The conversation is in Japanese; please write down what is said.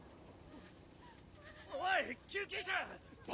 おい救急車！